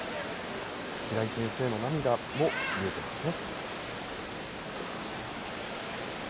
平井先生の涙も見えますね。